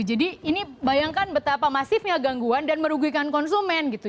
jadi ini bayangkan betapa masifnya gangguan dan merugikan konsumen gitu